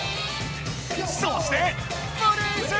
そしてフリーズ！